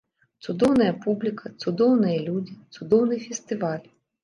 Цудоўная публіка, цудоўныя людзі, цудоўны фестываль.